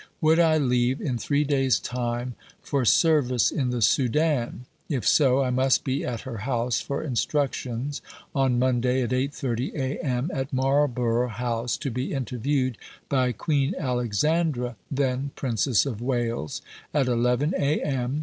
Would I leave in three days' time for service in the Soudan? if so, I must be at her house for instructions on Monday at 8.30 A.M., at Marlborough House to be interviewed by Queen Alexandra (then Princess of Wales) at 11 A.M.